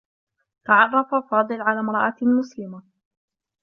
تعرّف فاضل على امرأة مسلمة.